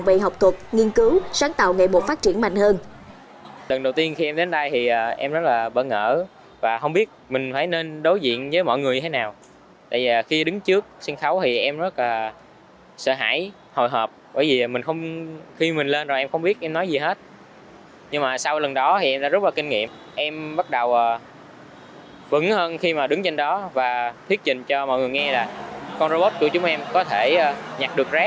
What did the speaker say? về học thuật nghiên cứu sáng tạo nghệ bộ phát triển mạnh hơn